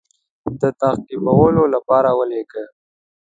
د تعقیبولو لپاره ولېږي.